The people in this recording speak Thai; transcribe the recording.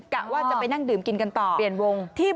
กะว่าจะไปนั่งดื่มกินกันต่อ